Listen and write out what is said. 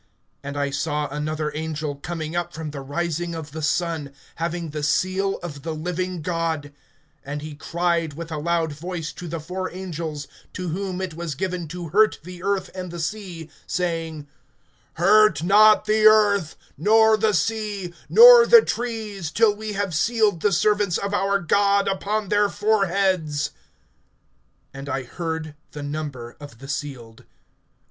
(2)And I saw another angel coming up from the rising of the sun, having the seal of the living God; and he cried with a loud voice to the four angels, to whom it was given to hurt the earth and the sea, (3)saying: Hurt not the earth, nor the sea, nor the trees, till we have sealed the servants of our God upon their foreheads. (4)And I heard the number of the sealed.